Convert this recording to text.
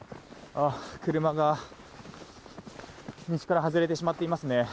車が道から外れてしまっていますね。